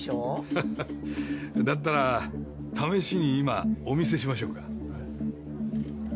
ははっだったら試しに今お見せしましょうか？